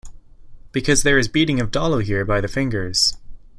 Because there is beating of Dollu here by the fingers.